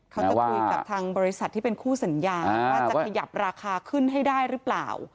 เขาจะคุยกับทางบริษัทที่เป็นคู่สัญญาว่าจะขยับราคาขึ้นให้ได้หรือเปล่า